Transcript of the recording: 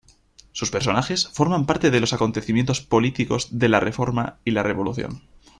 Sus personajes, forman parte de los acontecimientos políticos de la Reforma y la Revolución.